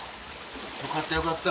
よかったよかった。